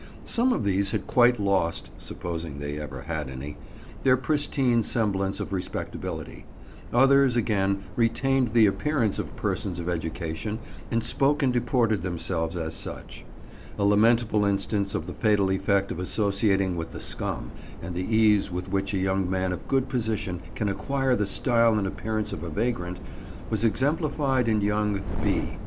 Some of these had quite lost (supposing they ever had any) their pristine semblance of respectability; others, again, retained the appearance of persons of education, and spoke and deported themselves as such. A lamentable instance of the fatal effect of associating with the scum, and the ease with which a young man of good position can acquire the style and appearance of a vagrant, was exemplified in young B—.